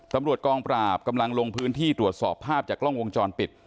ตำรวจกองปราบกำลังลงพื้นที่ตรวจสอบภาพจากกล้องวงจรปิด